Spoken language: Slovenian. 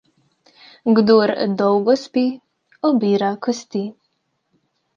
Kdor dolgo spi, obira kosti.